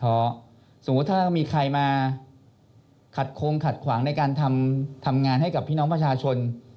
เพราะสมมุติถ้ามีใครมาขัดโครงขัดขวางในการทำงานให้กับพี่น้องประชาชน